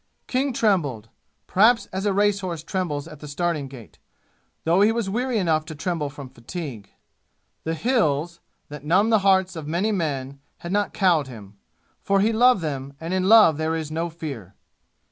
King trembled perhaps as a racehorse trembles at the starting gate, though he was weary enough to tremble from fatigue. The "Hills," that numb the hearts of many men, had not cowed him, for he loved them and in love there is no fear.